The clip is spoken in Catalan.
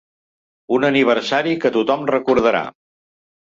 Un aniversari que tothom recordarà.